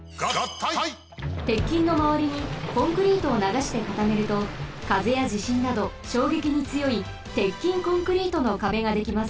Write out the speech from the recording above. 鉄筋のまわりにコンクリートをながしてかためるとかぜやじしんなどしょうげきにつよい鉄筋コンクリートの壁ができます。